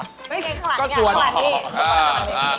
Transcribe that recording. ไม่ไงข้างหลังนี่ข้างหลังนี่เขาบอกสวนบวกหาดอ๋ออ๋ออ๋อ